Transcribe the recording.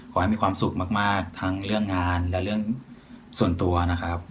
ขอให้มีความสุขมากทั้งเรื่องงานและเรื่องส่วนตัวนะครับ